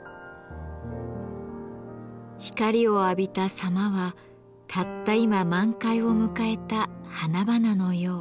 光を浴びた様はたった今満開を迎えた花々のよう。